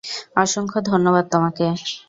অসংখ্য ধন্যবাদ তোমাকে।